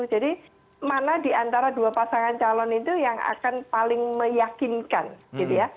jadi mana di antara dua pasangan calon itu yang akan paling meyakinkan gitu ya